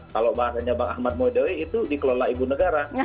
kalau bahasanya mbak ahmad mwedewe itu dikelola ibu negara